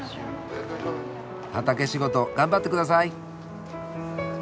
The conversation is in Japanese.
畑仕事がんばってください。